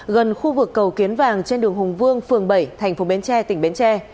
gần khu vực cầu kiến vàng trên đường hùng vương phường bảy thành phố bến tre tỉnh bến tre